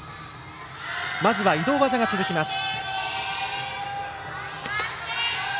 まず移動技が続きます。